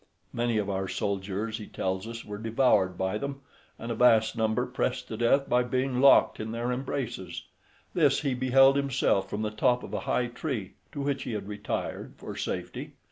Many of our soldiers, he tells us, were devoured by them, and a vast number pressed to death by being locked in their embraces: this he beheld himself from the top of a high tree, to which he had retired for safety.